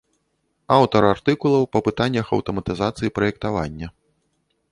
Аўтар артыкулаў па пытаннях аўтаматызацыі праектавання.